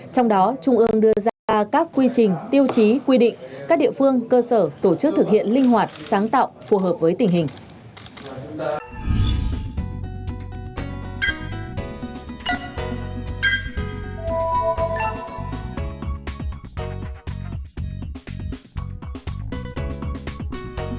trong đó trung ương đưa ra các quy trình tiêu chí quy định các địa phương cơ sở tổ chức thực hiện linh hoạt sáng tạo phù hợp với tình hình